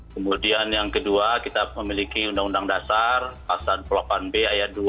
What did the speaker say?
kemudian yang kedua kita memiliki undang undang dasar pasaran delapan belas b ayat dua